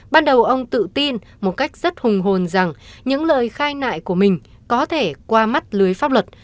ban đầu ông tự tin một cách rất hùng hồn rằng những lời khai nại của mình có thể qua mắt lưới pháp luật